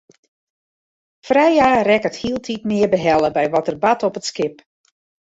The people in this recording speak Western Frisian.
Freya rekket hieltyd mear behelle by wat der bart op it skip.